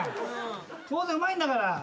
当然うまいんだから。